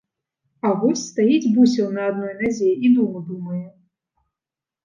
А вось стаіць бусел на адной назе і думу думае.